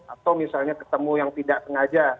atau misalnya ketemu yang tidak sengaja